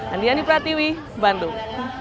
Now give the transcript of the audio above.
andiani pratiwi bandung